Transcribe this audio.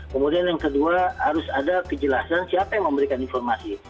kemudian yang kedua harus ada kejelasan siapa yang memberikan informasi